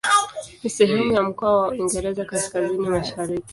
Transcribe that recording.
Ni sehemu ya mkoa wa Uingereza Kaskazini-Mashariki.